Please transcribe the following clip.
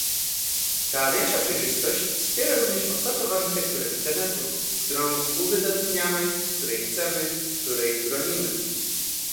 Ta większa przejrzystość wspiera również otwartą architekturę Internetu, którą uwydatniamy, której chcemy, której bronimy